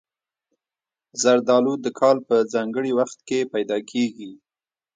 زردالو د کال په ځانګړي وخت کې پیدا کېږي.